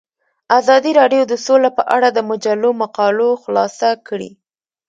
ازادي راډیو د سوله په اړه د مجلو مقالو خلاصه کړې.